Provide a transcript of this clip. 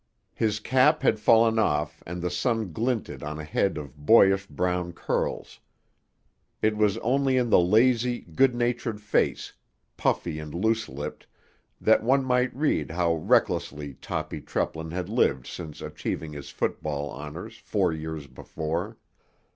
His cap had fallen off and the sun glinted on a head of boyish brown curls. It was only in the lazy, good natured face, puffy and loose lipped, that one might read how recklessly Toppy Treplin had lived since achieving his football honours four years before.